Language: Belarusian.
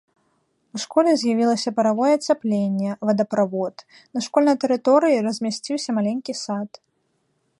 У школе з'явілася паравое ацяпленне, вадаправод, на школьнай тэрыторыі размясціўся маленькі сад.